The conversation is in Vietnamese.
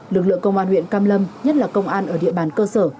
lực lượng công an huyện cam lâm nhất là công an ở địa bàn cơ sở